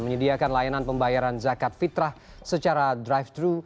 menyediakan layanan pembayaran zakat fitrah secara drive thru